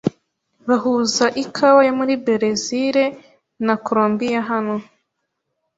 Bahuza ikawa yo muri Berezile na Kolombiya hano.